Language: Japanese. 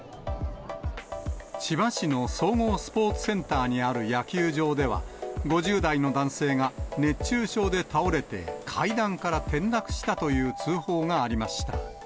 千葉市の総合スポーツセンターにある野球場では、５０代の男性が熱中症で倒れて、階段から転落したという通報がありました。